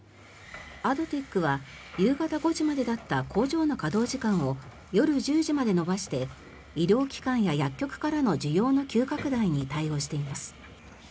アドテックは夕方５時までだった工場の稼働時間を夜１０時まで延ばして医療機関や薬局からの需要の急拡大に対応しています。